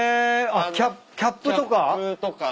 あっキャップとか？